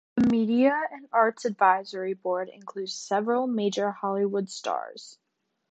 The Media and Arts Advisory Board includes several major Hollywood stars.